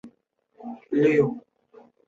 他曾担任瓦赫宁根市议会的成员代表。